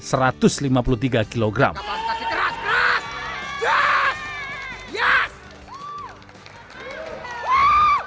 kapal stasi keras keras